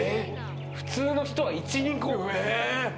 普通の人は１２個。